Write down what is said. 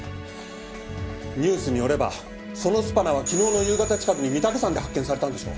ニュースによればそのスパナは昨日の夕方近くに御岳山で発見されたんでしょ？